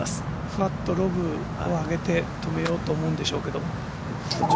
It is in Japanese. ふわっと上げて、止めようと思ってるんでしょうけど。